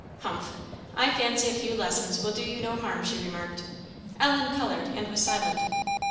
"Humph! I fancy a few lessons will do you no harm," she remarked. Ellen coloured and was silent.